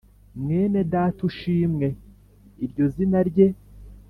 Mwene Dat’ushimwe - iryo zina rye